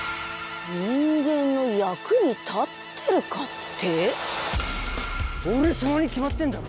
人間の役に立ってるかって？